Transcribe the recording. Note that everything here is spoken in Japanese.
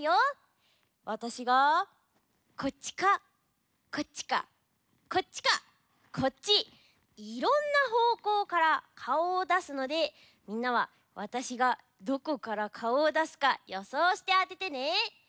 わたしがこっちかこっちかこっちかこっちいろんなほうこうからかおをだすのでみんなはわたしがどこからかおをだすかよそうしてあててね。